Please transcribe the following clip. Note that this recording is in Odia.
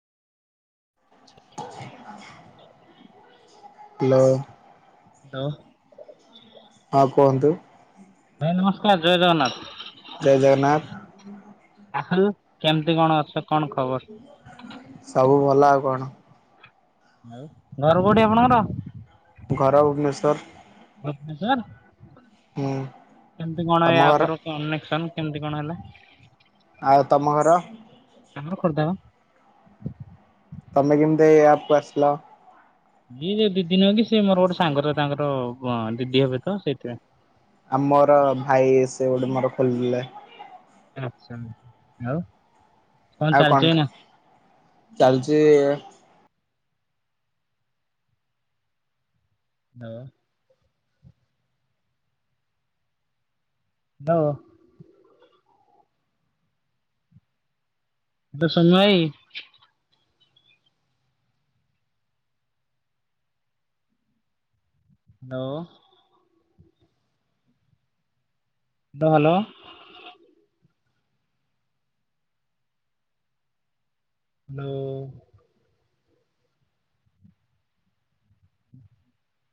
ହ୍ୟାଲୋ। ତ ହଁ କୁହନ୍ତୁ। ଭାଇ ନମସ୍କାର ଜୟ ଜଗନ୍ନାଥ। ଜୟ ଜଗନ୍ନାଥ ଆଉ କେମିତି କଣ ଅଛ? କଣ ଖବର? ସବୁ ଭଲ ଆଉ। କଣ ଆଉ ଘର କୋଉଠି ଆପଣଙ୍କର? ଘର ଭୁବନେଶ୍ୱର। ହୁଁ ଭୁବନେଶ୍ୱର। କେମିତି କଣ ଏ ତମ ଘର ଆପରୁ କନେକସନ? କେମିତି କଣ ହେଲା? ଆଉ ତମ ଘର? ଆମ ର ଖୋର୍ଦ୍ଧା ବା। ତମେ କେମିତି ଏଇ ଆପକୁ ଆସିଲ। ଦିନେ ଦି ଦିନକି ସେ ମୋର ଗୋଟେ ସାଙ୍ଗର ତାଙ୍କର ହଁ ଦିଦି ହେବେ ତ ସେଇଥିପାଇଁ। ଆଉ ମୋର ଭାଇ ସେ ଗୋଟେ ମୋର ଖୋଲିଲେ [unintelligible] ଆଉ କଣ ଚାଲଛି ଏଇନା? ଚାଲଚି ହଁ। ହାଲୋ। [unintelligible] ସୋନୁ ଭାଇ। ହାଲୋ। ଦ ହ୍ୟାଲୋ। ହ୍ୟାଲୋ।